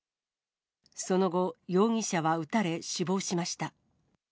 その後、容疑者は撃たれ死亡しました。